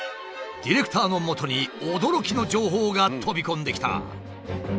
ディレクターのもとに驚きの情報が飛び込んできた。